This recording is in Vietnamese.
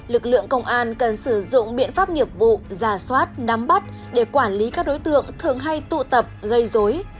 lực lượng công an cần sử dụng biện pháp nghiệp vụ giả soát nắm bắt để quản lý các đối tượng thường hay tụ tập gây dối